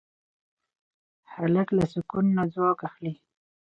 هلک له سکون نه ځواک اخلي.